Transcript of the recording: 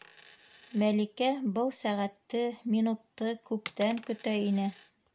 Мәликә был сәғәтте, минутты күптән көтә ине.